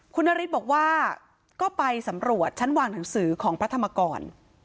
คุณนฤทธิ์บอกว่าก็ไปสำรวจชั้นวางหนังสือของพระธรรมกร